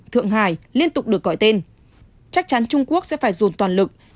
thượng hải liên tục được gọi tên chắc chắn trung quốc sẽ phải dồn toàn lực